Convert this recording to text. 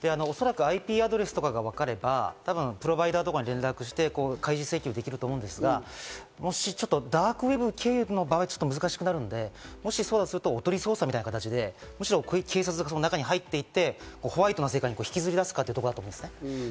ＩＰアドレスとかがわかれば、多分プロバイダとかに連絡して開示請求できると思うんですが、もしダークウェブ経由の場合、難しくなるので、そうすると、おとり捜査みたいな形で警察がその中に入っていて、ホワイトな世界に引きずり出す過程だと思います。